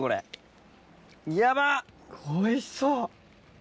おいしそう。